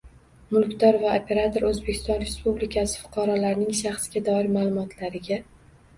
Mulkdor va operator O‘zbekiston Respublikasi fuqarolarining shaxsga doir ma’lumotlariga